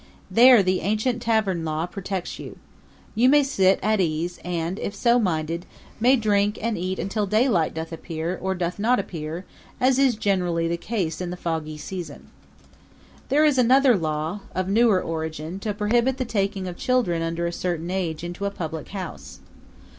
There the ancient tavern law protects you. You may sit at ease and, if so minded, may drink and eat until daylight doth appear or doth not appear, as is generally the case in the foggy season. There is another law, of newer origin, to prohibit the taking of children under a certain age into a public house.